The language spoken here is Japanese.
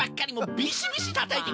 ビシビシたたいてくるの。